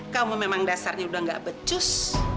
kamu memang dasarnya udah gak becus